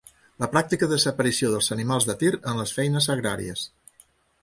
La pràctica desaparició dels animals de tir en les feines agràries.